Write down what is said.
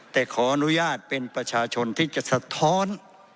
แต่ขออนุญาตเป็นประชาชนที่จะสะท้อน